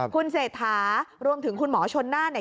คุณเศษฐารวมถึงคุณหมอชนหน้า